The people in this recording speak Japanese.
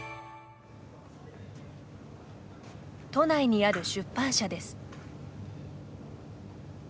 都内にある出版社です。